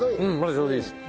ちょうどいいです。